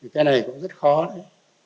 cái này cũng rất khó đấy